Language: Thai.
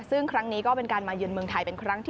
ซึ่งครั้งนี้ก็เป็นการมาเยือนเมืองไทยเป็นครั้งที่